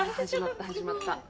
始まった。